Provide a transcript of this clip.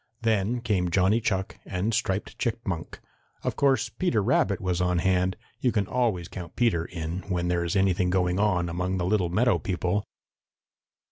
Then came Johnny Chuck and Striped Chipmunk. Of course Peter Rabbit was on hand. You can always count Peter in, when there is anything going on among the little meadow people.